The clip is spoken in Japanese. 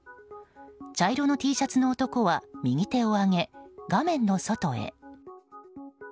茶色のＴシャツの男は右手を上げ、画面の外へ。